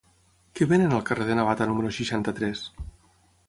Què venen al carrer de Navata número seixanta-tres?